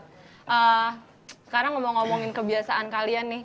sekarang ngomong ngomongin kebiasaan kalian nih